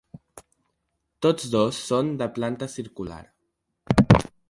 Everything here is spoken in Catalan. Tots dos són de planta circular.